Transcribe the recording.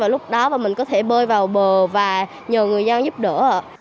lúc đó mình có thể bơi vào bờ và nhờ người dân giúp đỡ họ